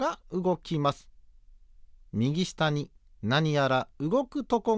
みぎしたになにやらうごくとこがある。